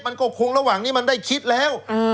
มันก็คงระหว่างนี้มันได้คิดแล้ว